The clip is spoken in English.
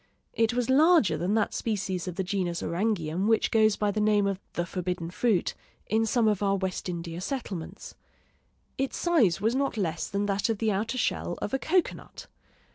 It was larger than that species of the genus Orangeum which goes by the name of "the forbidden fruit" in some of our West India settlements. Its size was not less than that of the outer shell of a cocoanut.